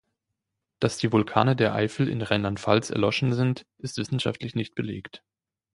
Dass die Vulkane der Eifel in Rheinland-Pfalz erloschen sind, ist wissenschaftlich nicht belegt.